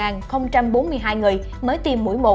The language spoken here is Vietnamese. bốn trăm linh một bốn mươi hai người mới tiêm mũi một